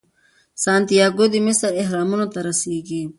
سانتیاګو د مصر اهرامونو ته رسیږي.